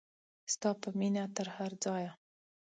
ستا په مینه تر هر ځایه.